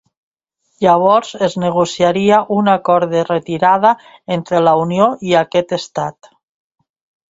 Llavors es negociaria un acord de retirada entre la Unió i aquest Estat.